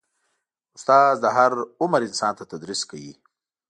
استاد د هر عمر انسان ته تدریس کوي.